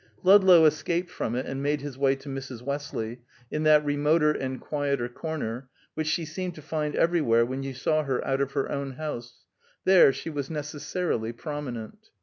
Ludlow escaped from it, and made his way to Mrs. Westley, in that remoter and quieter corner, which she seemed to find everywhere when you saw her out of her own house; there she was necessarily prominent.